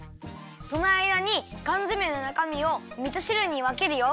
そのあいだにかんづめのなかみをみとしるにわけるよ。